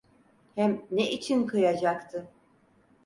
Hem ne için kıyacaktı?